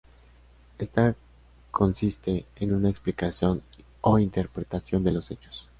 Esta consiste en un explicación o interpretación de los hechos.